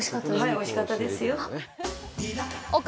おいしかったですか？